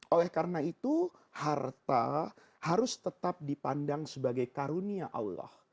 oleh karena itu harta harus tetap dipandang sebagai karunia allah